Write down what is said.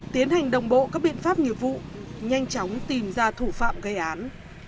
tiến hành đồng bộ các biện pháp nghiệp vụ nhanh chóng tìm ra thủ phạm gây án